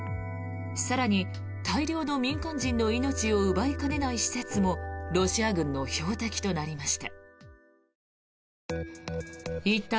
更に大量の民間人の命を奪いかねない施設もロシア軍の標的となりました。